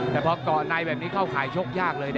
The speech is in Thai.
แต่พอก๊อกไนน์แบบนี้เข้าขายชกยากเลย